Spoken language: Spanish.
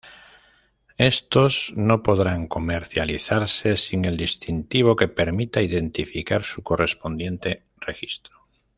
Estos no podrán comercializarse sin el distintivo que permita identificar su correspondiente registro.